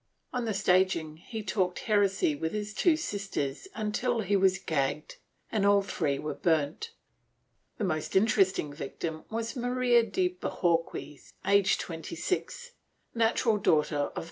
On the staging he talked heresy with his two sisters until he was gagged and all three were burnt. The most interesting victim was Maria de Bohorques, aged 26, natural daughter of Pero ' Schafer, I, 382; II, 361 8.